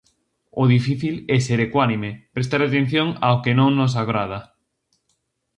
O difícil é ser ecuánime, prestar atención ao que non nos agrada.